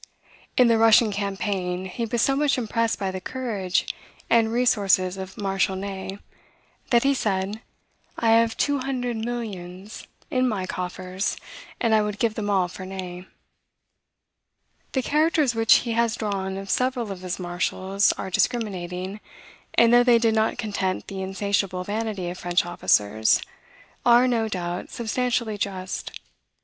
In the Russian campaign, he was so much impressed by the courage and resources of Marshal Ney, that he said, "I have two hundred millions in my coffers, and I would give them all for Ney." The characters which he has drawn of several of his marshals are discriminating, and, though they did not content the insatiable vanity of French officers, are, no doubt, substantially just.